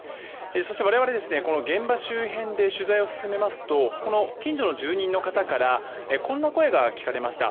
そして、我々現場周辺で取材を進めますと近所の住人の方からこんな声が聞かれました。